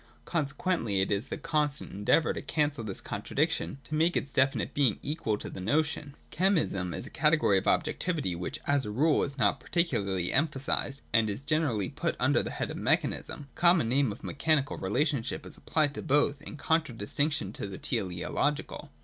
Consequently it is the constant endeavour to cancel this contradiction and to make its definite being equal to the notion. Chemism is a category of objectivity which, as a rule, is not particularly emphasised, and is generally put under the head of mechanism. The common name of mechanical relationship is applied to both, in contra distinction to the teleological.